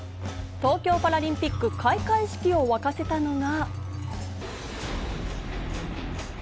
東京パラリンピック開会式を沸かせたのが。